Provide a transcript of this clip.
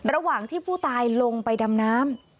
ระหว่างที่ผู้ตายลงไปดำน้ำ